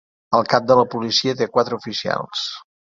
El cap de la policia té quatre oficials.